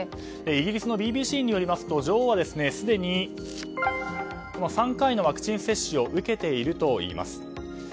イギリスのＢＢＣによりますと女王はすでに３回のワクチン接種を受けているといいます。